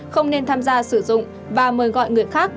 không nên tham gia sử dụng và mời gọi người khác